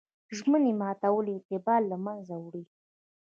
ژمنې ماتول اعتبار له منځه وړي.